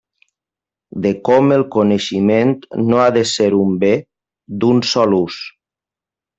De com el coneixement no ha de ser un bé d'un sol ús.